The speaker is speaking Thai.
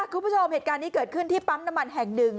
คุณผู้ชมเหตุการณ์นี้เกิดขึ้นที่ปั๊มน้ำมันแห่งหนึ่ง